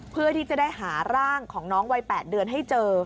เพื่อที่จะได้หาร่างของน้องวัย๘เดือนให้เจอ